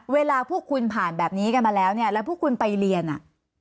เวลาพวกคุณผ่านแบบนี้กันมาแล้วเนี่ยแล้วพวกคุณไปเรียนอ่ะ